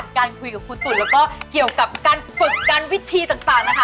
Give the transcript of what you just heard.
คุณตุ๋นแล้วก็เกี่ยวกับการฝึกกันวิธีต่างนะคะ